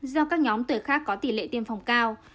do các nhóm tuổi khác có tỷ lệ tiêm phòng cao